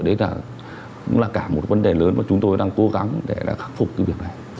đấy là cũng là cả một cái vấn đề lớn mà chúng tôi đang cố gắng để khắc phục cái việc này